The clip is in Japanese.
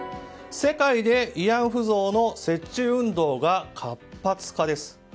世界で慰安婦像の設置運動が活発化？です。